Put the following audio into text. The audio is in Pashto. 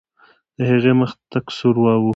د هغې مخ تک سور واوښت.